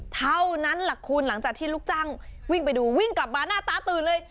เท่านั้นแหละคุณหลังจากที่ลูกจ้างวิ่งไปดูวิ่งกลับมาหน้าตาตื่นเลย